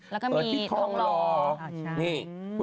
แล้วก็มีที่ทองหล่อ